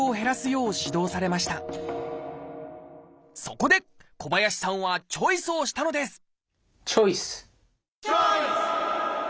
そこで小林さんはチョイスをしたのですチョイス！